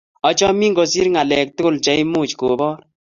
achamin kosir ngalek tugul cheimuch kobor